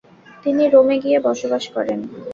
তিনি রোমে গিয়ে বসবাস করেন।